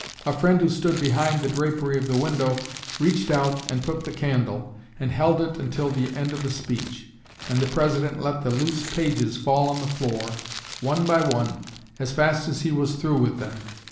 A friend who stood behind the drapery of the window reached out and took the candle, and held it until the end of the speech, and the President let the loose pages fall on the floor, one by one, as fast as he was through with them.